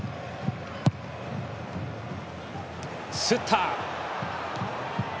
スッター！